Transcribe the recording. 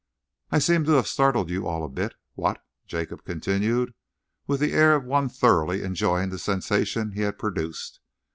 "I seem to have startled you all a bit, what?" Jacob continued, with the air of one thoroughly enjoying the sensation he had produced.